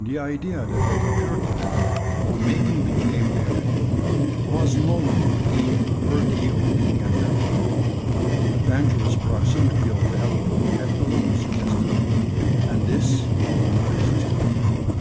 The idea that had occurred to them of making the cave their home was no longer deemed worthy of being entertained. The dangerous proximity of the elephant had alone suggested it; and this no longer existed.